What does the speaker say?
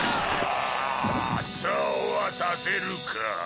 そうはさせるか！